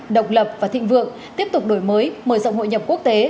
độc lập và thịnh vượng tiếp tục đổi mới mở rộng hội nhập quốc tế